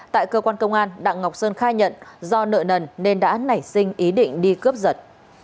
tại cơ quan công an đặng ngọc sơn khai nhận do nợ nần nên đã nảy sinh ý định đi cướp giật